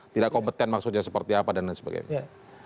tidak kompeten maksudnya seperti apa dan lain sebagainya